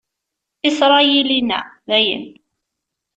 Isṛayil inna: Dayen!